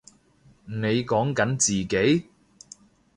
你講緊自己？